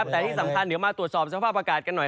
แต่ที่สำคัญเดี๋ยวมาตรวจสอบสภาพอากาศกันหน่อย